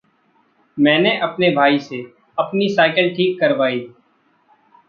मैंने अपने भाई से अपनी साईकल ठीक करवाई।